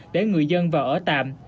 để người dân vào ở tạm